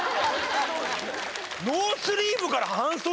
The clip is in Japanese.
ノースリーブから半袖？